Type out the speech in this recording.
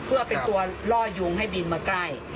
เพื่อเป็นตัวล่อยุงให้บินมาใกล้